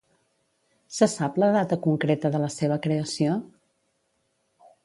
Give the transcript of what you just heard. Se sap la data concreta de la seva creació?